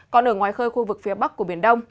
còn ở ngoài khơi khu vực phía bắc của biển đông